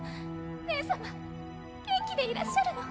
姉様元気でいらっしゃるの？